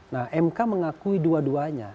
nah mk mengakui dua duanya